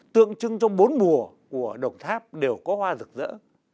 tượng trưng trong bốn mùa của đồng tháp đều có hoa rực rỡ